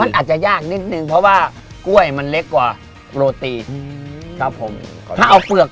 มันเหมือนมั้ยไม่ได้เฉิง